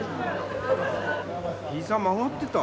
膝曲がってた。